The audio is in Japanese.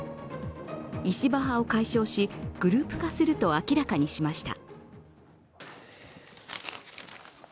石破派を解消し、グループ化すると明らかにしました。